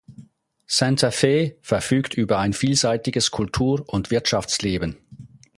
Santa Fe verfügt über ein vielseitiges Kultur- und Wirtschaftsleben.